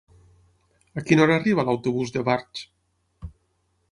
A quina hora arriba l'autobús de Barx?